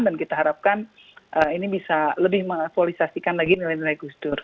dan kita harapkan ini bisa lebih mengaktualisasikan lagi nilai nilai gus dur